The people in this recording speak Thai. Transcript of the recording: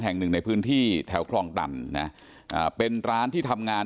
แห่งหนึ่งในพื้นที่แถวคลองตันนะอ่าเป็นร้านที่ทำงาน